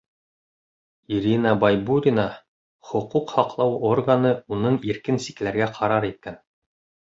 Ирина БАЙБУРИНА, Хоҡуҡ һаҡлау органы уның иркен сикләргә ҡарар иткән.